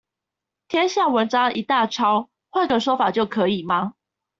天下文章一大抄，換個說法就可以嗎？